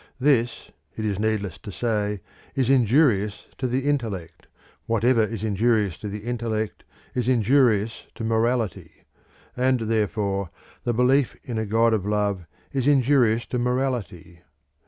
This, it is needless to say, is injurious to the intellect; whatever is injurious to the intellect is injurious to morality; and, therefore, the belief in a God of Love is injurious to morality.